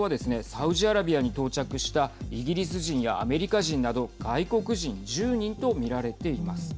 サウジアラビアに到着したイギリス人やアメリカ人など外国人１０人と見られています。